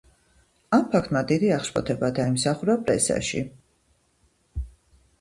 ამ ფაქტმა დიდი აღშფოთება დაიმსახურა პრესაში.